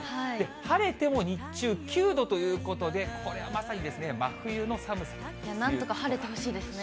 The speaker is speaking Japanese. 晴れても日中、９度ということで、これはまさに、なんとか晴れてほしいですね。